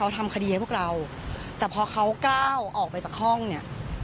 ทำคดีให้พวกเราแต่พอเขาก้าวออกไปจากห้องเนี่ย